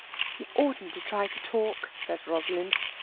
"He oughtn't to try to talk," says Rosalind.